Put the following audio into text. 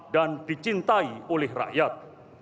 dan dicintai oleh rakyat